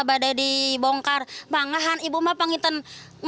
ibu sudah di nenhum negara ibu masih di turun